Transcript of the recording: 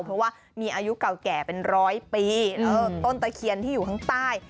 เพราะว่ามีอายุเก่าแก่เป็นร้อยปีต้นตะเคียนที่อยู่ข้างใต้